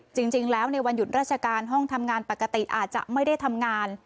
จริงแล้วในวันหยุดราชการห้องทำงานปกติอาจจะไม่ได้ทำงาน